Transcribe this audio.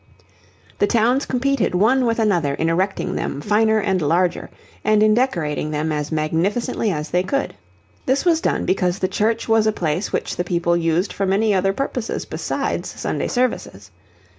The towns competed one with another in erecting them finer and larger, and in decorating them as magnificently as they could. This was done because the church was a place which the people used for many other purposes besides Sunday services.